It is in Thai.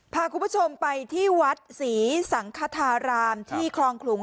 พาคุณผู้ชมไปที่วัดศรีสังคธารามที่คลองขลุง